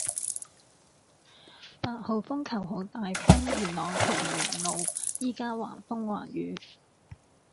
八號風球好大風，元朗瓊園路依家橫風橫雨